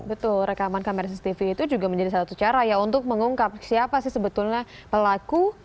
betul rekaman kamera cctv itu juga menjadi salah satu cara ya untuk mengungkap siapa sih sebetulnya pelaku